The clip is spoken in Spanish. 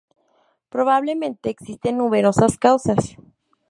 Probablemente existen numerosas causas.